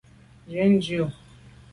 Nzwi dù.